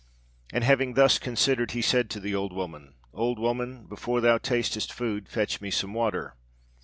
And having thus considered, he said to the old woman, 'Old woman, before thou tastest food, fetch me some water.'